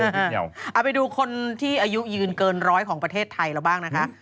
เอาไปดูคนที่อายุยืนเกินร้อยของประเทศไทยเราบ้างนะคะ